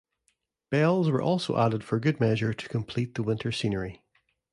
Bells were also added for good measure to complete the winter scenery.